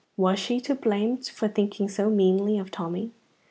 Was she to be blamed for thinking so meanly of Tommy?